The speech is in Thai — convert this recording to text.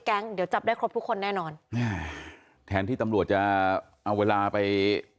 แล้วจากนั้นเขาทำไง